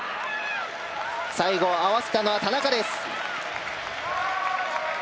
最後、合わせたのは田中です。